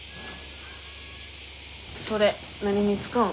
それ何に使うん？